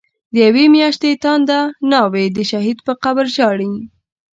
دیوی میاشتی تانده ناوی، د شهید په قبر ژاړی